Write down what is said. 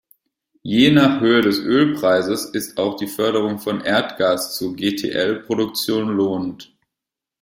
Je nach Höhe des Ölpreises ist auch die Förderung von Erdgas zur GtL-Produktion lohnend.